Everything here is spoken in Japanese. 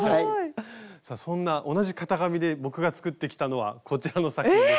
さあそんな同じ型紙で僕が作ってきたのはこちらの作品です。